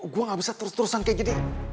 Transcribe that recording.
gue gak bisa terus terusan kayak gini